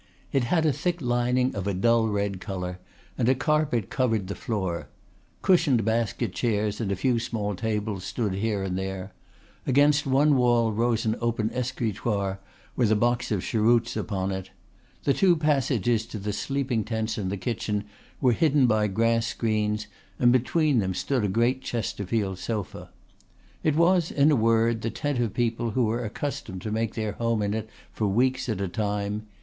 It had a thick lining of a dull red colour and a carpet covered the floor; cushioned basket chairs and a few small tables stood here and there; against one wall rose an open escritoire with a box of cheroots upon it; the two passages to the sleeping tents and the kitchen were hidden by grass screens and between them stood a great Chesterfield sofa. It was, in a word, the tent of people who were accustomed to make their home in it for weeks at a time.